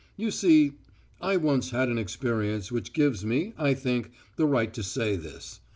... You see, I once had an experience which gives me, I think, the right to say this.